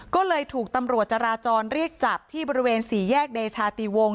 ก็เลยถูกตำรวจจราจรเรียกจับที่บริเวณสี่แยกเดชาติวงศ